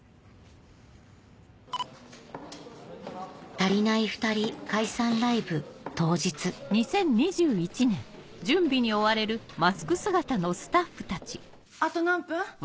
たりないふたり解散ライブ当日あと何分？